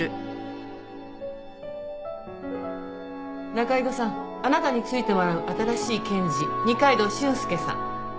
仲井戸さんあなたに付いてもらう新しい検事二階堂俊介さん。